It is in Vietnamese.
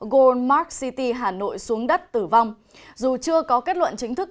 goldmark city hà nội xuống đất tử vong dù chưa có kết luận chính thức